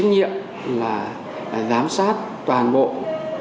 có chất nhiệm là giám sát toàn bộ tổ chức chất lượng vaccine